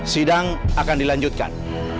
sidang akan dilanjutkan